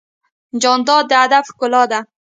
جانداد د ادب ښکلا ده.